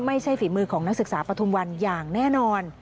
ฝีมือของนักศึกษาปฐุมวันอย่างแน่นอน